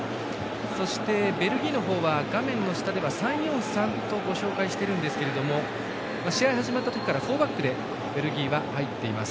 そして、ベルギーのほうは画面の下では３‐４‐３とご紹介してるんですけど試合が始まったときからフォーバックでベルギーは入っています。